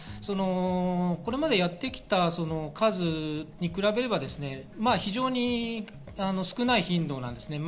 これまでやってきた数に比べれば、非常に少ない頻度なんですね。